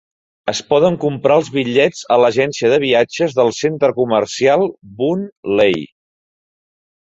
Es poden comprar els bitllets a l'agència de viatges del centre comercial Boon Lay.